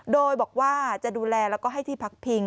โดยบอกว่าจะดูแลแล้วก็ให้ที่พักพิง